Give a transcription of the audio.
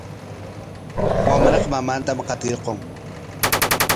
Wamraqa mamantam qatiparqun.